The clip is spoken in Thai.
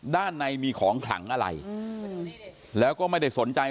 ด้านในมีของขลังอะไรแล้วก็ไม่ได้สนใจ